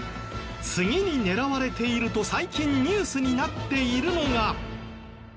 次に狙われていると最近ニュースになっているのが。